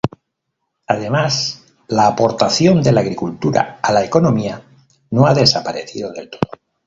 Además, la aportación de la agricultura a la economía no ha desaparecido del todo.